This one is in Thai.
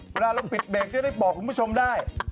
เวลาเราปิดเบรกจะได้บอกคุณผู้ชมได้